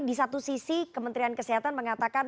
di satu sisi kementerian kesehatan mengatakan